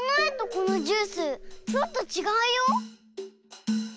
このジュースちょっとちがうよ。